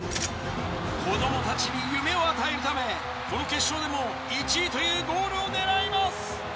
子供たちに夢を与えるためこの決勝でも１位というゴールを狙います。